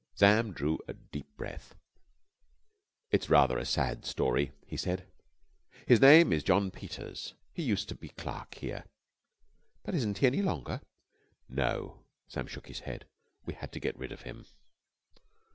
Sam drew a deep breath. "It's rather a sad story," he said. "His name is John Peters. He used to be clerk here." "But isn't he any longer?" "No." Sam shook his head. "We had to get rid of him."